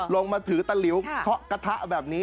มาถือตะหลิวเคาะกระทะแบบนี้